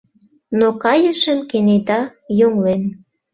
Но кайышым кенета йоҥлен.